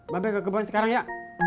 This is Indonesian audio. bapak ke kebun sekarang ya